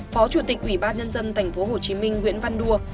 phó chủ tịch ủy ban nhân dân tp hcm nguyễn văn đua